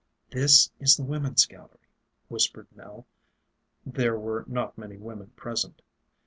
"This is the women's gallery," whispered Nell there were not many women present.